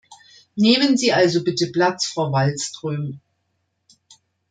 Nehmen Sie also bitte Platz, Frau Wallström.